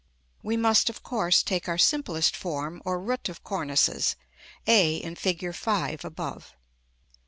We must, of course, take our simplest form or root of cornices (a, in Fig. V., above).